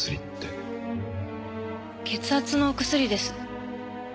血圧のお薬です。